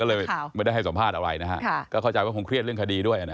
ก็เลยไม่ได้ให้สัมภาษณ์อะไรนะฮะก็เข้าใจว่าคงเครียดเรื่องคดีด้วยนะ